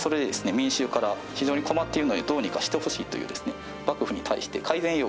民衆から非常に困っているのでどうにかしてほしいというですね。